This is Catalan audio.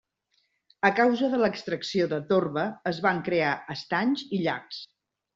A causa de l'extracció de torba, es van crear estanys i llacs.